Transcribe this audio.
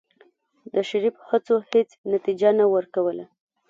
د شريف هڅو هېڅ نتيجه نه ورکوله.